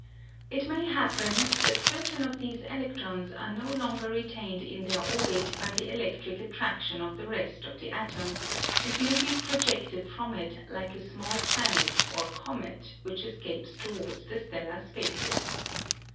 It may happen that certain of these electrons are no longer retained in their orbit by the electric attraction of the rest of the atom, and may be projected from it like a small planet or comet which escapes towards the stellar spaces.